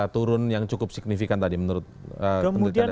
turun yang cukup signifikan tadi menurut penelitian dari carta